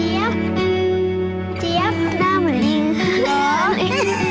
ยังก็ยังไม่เปลี่ยนไป